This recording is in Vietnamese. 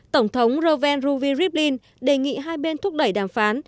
tổng thống reuven ruvi rivlin đề nghị hai bên thúc đẩy đàm phán